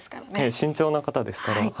慎重な方ですから。